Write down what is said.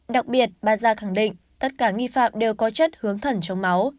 đặc biệt baza khẳng định tất cả nghi phạm đều có chất hướng thần trong máu